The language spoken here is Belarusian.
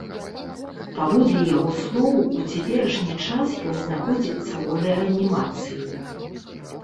Паводле яго слоў, у цяперашні час ён знаходзіцца ў рэанімацыі.